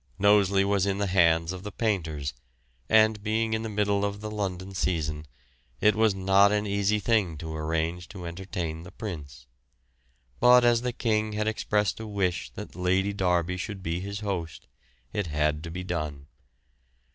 Knowsley was in the hands of the painters, and, being in the middle of the London season, it was not an easy thing to arrange to entertain the Prince; but as the King had expressed a wish that Lord Derby should be his host, it had to be done.